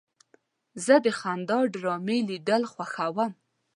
زه د خندا ډرامې لیدل خوښوم.